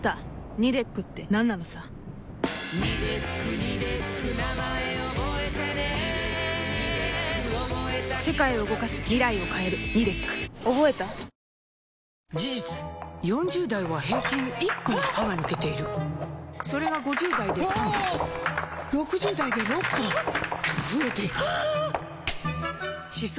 味で選べば「ＦＩＲＥＯＮＥＤＡＹ」事実４０代は平均１本歯が抜けているそれが５０代で３本６０代で６本と増えていく歯槽